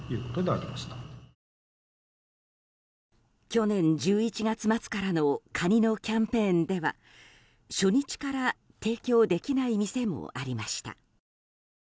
去年１１月末からのカニのキャンペーンでは初日から提供できない店もありました。